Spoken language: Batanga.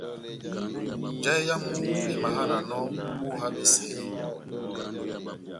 Njahɛ yamu emahananɔ ó iha besɛ eeeh ?